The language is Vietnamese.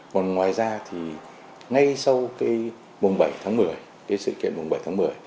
còn ngoài ra thì ngay sau cái mùng bảy tháng một mươi cái sự kiện mùng bảy tháng một mươi